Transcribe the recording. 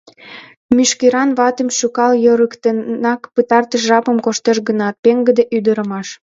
— Мӱшкыран ватым шӱкал йӧрыктенак Пытартыш жапым коштеш гынат, пеҥгыде ӱдырамаш.